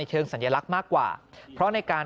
เชิงสัญลักษณ์มากกว่าเพราะในการ